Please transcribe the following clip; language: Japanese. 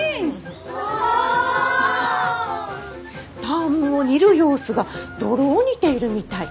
田芋を煮る様子が泥を煮ているみたい。